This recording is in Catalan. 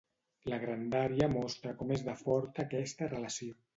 La grandària mostra com és de forta aquesta relació.